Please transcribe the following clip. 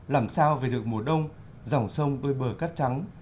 làm sao về được mùa đông dòng sông đôi bờ cát trắng